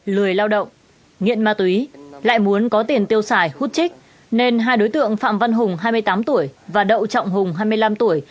lười lao động nghiện ma túy lại muốn có tiền tiêu xài hút trích nên hai đối tượng phạm văn hùng hai mươi tám tuổi và đậu trọng hùng hai mươi năm tuổi